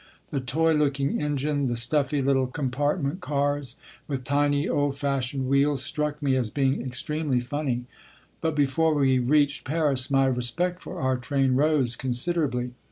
The toy looking engine, the stuffy little compartment cars, with tiny, old fashioned wheels, struck me as being extremely funny. But before we reached Paris my respect for our train rose considerably.